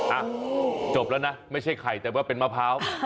อ่ะจบแล้วนะไม่ใช่ไข่แต่ว่าเป็นมะพร้าว